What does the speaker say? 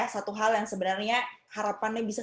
satu hal yang sebenarnya harapannya bisa